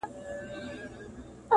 نو مي مخ کی د نیکه د قبر خواته٫